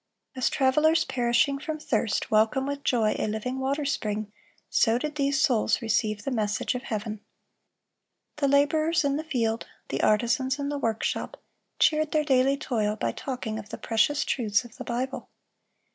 As travelers perishing from thirst welcome with joy a living water spring, so did these souls receive the message of heaven. The laborers in the field, the artisans in the workshop, cheered their daily toil by talking of the precious truths of the Bible.